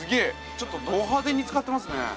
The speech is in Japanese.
ちょっとど派手に使ってますね。